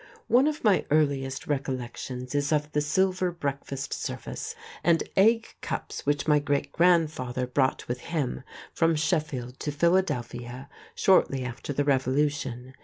One of my earliest recollections is of the silver breakfast service and egg cups which my great grandfather brought with him from Sheffield to Philadelphia shortly after the Revolution.